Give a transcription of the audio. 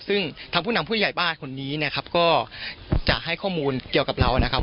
ซึ่งทางผู้นำผู้ใหญ่บ้านคนนี้นะครับก็จะให้ข้อมูลเกี่ยวกับเรานะครับ